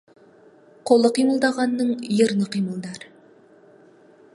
Қолы қимылдағанның ерні қимылдар.